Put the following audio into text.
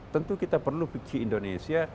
tentu kita perlu fiji indonesia